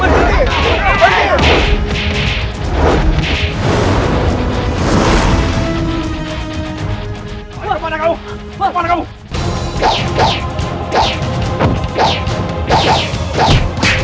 pergi pergi pergi